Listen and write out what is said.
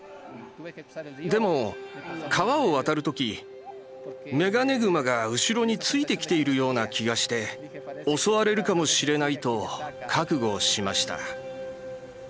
でも川を渡るときメガネグマが後ろについてきているような気がして襲われるかもしれないと覚悟しました。